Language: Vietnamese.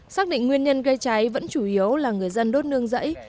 xác định nguyên nhân gây cháy vẫn chủ yếu là người dân đốt nương rẫy